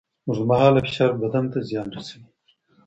اوږدمهاله فشار بدن ته زیان رسوي.